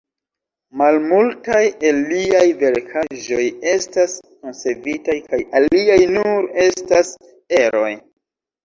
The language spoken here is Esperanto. Malmultaj el liaj verkaĵoj estas konservitaj kaj aliaj nur estas eroj.